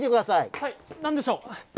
はい何でしょう？